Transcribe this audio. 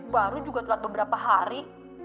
baru juga telat beberapa hari